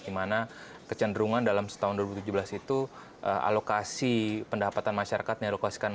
di mana kecenderungan dalam setahun dua ribu tujuh belas itu alokasi pendapatan masyarakat yang alokasikan